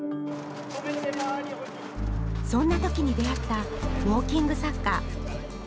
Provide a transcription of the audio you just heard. そんなときに出会ったウォーキングサッカー。